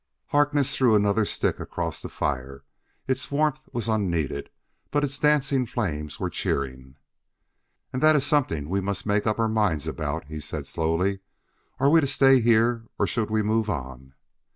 Harkness threw another stick across the fire; its warmth was unneeded, but its dancing flames were cheering. "And that is something we must make up our minds about," he said slowly: "are we to stay here, or should we move on?"